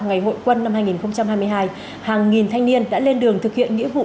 ngày hội quân năm hai nghìn hai mươi hai hàng nghìn thanh niên đã lên đường thực hiện nghĩa vụ